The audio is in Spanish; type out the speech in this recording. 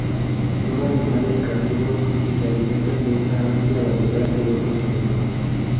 Son animales carnívoros, y se alimentan de una amplia variedad de otros animales.